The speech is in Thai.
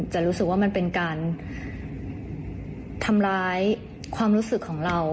จะรู้สึกว่ามันเป็นการทำร้ายความรู้สึกของเรา